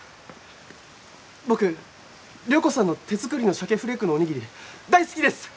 僕遼子さんの手作りのしゃけフレークのおにぎり大好きです！